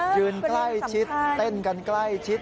ยืนใกล้ชิดเต้นกันใกล้ชิด